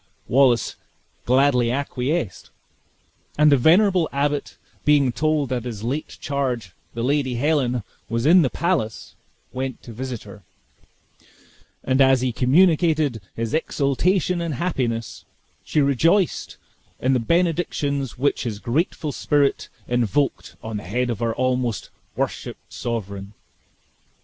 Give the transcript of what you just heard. Wallace gladly acquiesced; and the venerable abbot being told that his late charge, the Lady Helen, was in the palace, went to visit her; and as he communicated his exultation and happiness, she rejoiced in the benedictions which his grateful spirit invoked on the head of her almost worshiped sovereign.